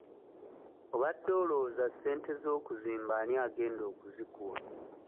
Obadde olowooza ssente z'okuzimba ani agenda okuzikuwa?